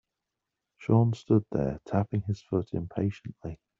Sean stood there tapping his foot impatiently.